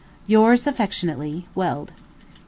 Yours affectionately, WELD.